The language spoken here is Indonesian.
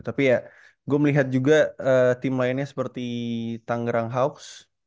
tapi ya gue melihat juga tim lainnya seperti tangerang hoax